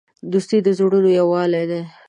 دوستي د زړونو یووالی دی.